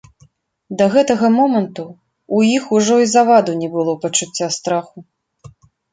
Да гэтага моманту ў іх ужо і заваду не было пачуцця страху.